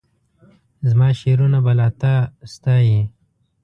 زماشعرونه به لا تا ستایي